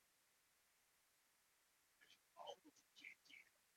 卷末刊登吉泽务的采访。